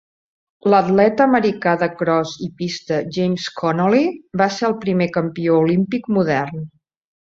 L'atleta americà de cros i pista James Connolly va ser el primer campió olímpic modern.